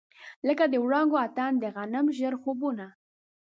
لکه د وړانګو اتڼ، د غنم ژړ خوبونه